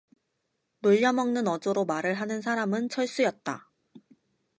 놀려먹는 어조로 말을 하는 사람은 철수였다.